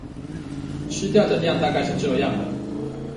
吃掉的量大概是這樣了